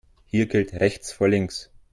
Hier gilt rechts vor links.